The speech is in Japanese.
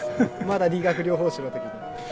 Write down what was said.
まだ理学療法士のときに。